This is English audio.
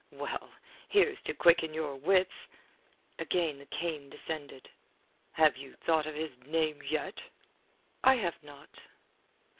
Well, here's to quicken your wits." Again the cane descended. "Have you thought of his name yet?" "I have not."